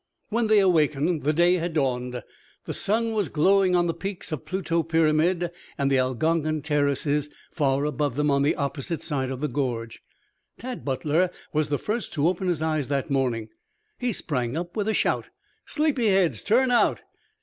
When they awakened the day had dawned. The sun was glowing on the peaks of Pluto Pyramid and the Algonkin Terraces far above them on the opposite side of the gorge. Tad Butler was the first to open his eyes that morning. He sprang up with a shout. "Sleepy heads! Turn out!"